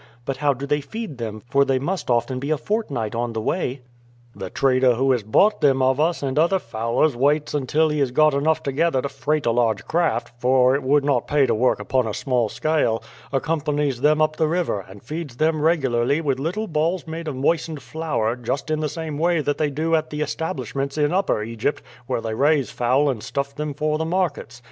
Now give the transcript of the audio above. But how do they feed them for they must often be a fortnight on the way?" "The trader who has bought them of us and other fowlers waits until he has got enough together to freight a large craft for it would not pay to work upon a small scale accompanies them up the river, and feeds them regularly with little balls made of moistened flour, just in the same way that they do at the establishments in Upper Egypt, where they raise fowl and stuff them for the markets.